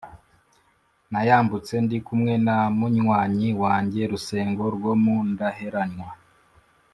nayambutse ndi kumwe na munywanyi wanjye Rusengo rwo mu Ndaheranwa.